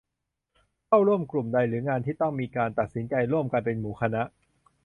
เข้าร่วมกลุ่มใดหรืองานที่ต้องมีการตัดสินใจร่วมกันเป็นหมู่คณะ